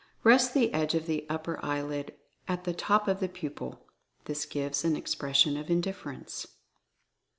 Rest the edge of the upper eyelid at the top of the pupil. This gives an expression of Indifference.